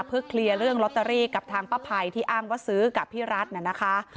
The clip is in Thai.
เพื่อเคลียร์เรื่องลอตเตอรี่กับทางป้าภัยที่อ้างว่าซื้อกับพี่รัฐน่ะนะคะ